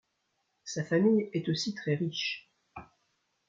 Sa famille est aussi très riche.